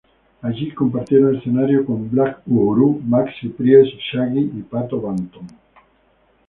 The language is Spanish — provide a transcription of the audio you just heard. Allí compartieron escenario con Black uhuru, maxi priest, shaggy y Pato Banton.